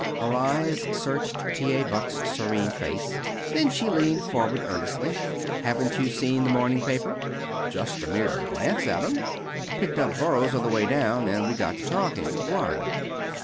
Her eyes searched T. A. Buck's serene face. Then she leaned forward, earnestly. "Haven't you seen the morning paper?" "Just a mere glance at 'em. Picked up Burrows on the way down, and we got to talking. Why?"